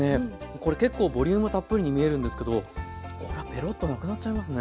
これ結構ボリュームたっぷりに見えるんですけどこれはペロッとなくなっちゃいますね。